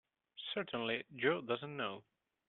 Certainly Jo doesn't know.